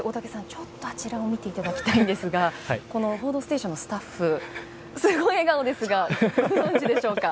ちょっとあちらを見ていただきたいんですがこの「報道ステーション」のスタッフすごい笑顔ですがご存じでしょうか。